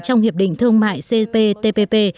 trong hiệp định thương mại cptpp